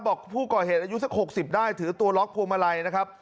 บอกผู้ก่อเหตุอายุสัก๖๐ได้ถือตัวล็อกพวงมาลัยนะครับ